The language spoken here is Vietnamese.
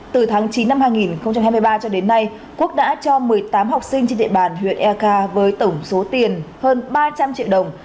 từ tháng chín năm hai nghìn hai mươi ba cho đến nay quốc đã cho một mươi tám học sinh trên địa bàn huyện eka với tổng số tiền hơn ba trăm linh triệu đồng